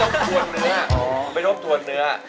คือต้มถวนเนื้อไปต้มถวนเนื้อ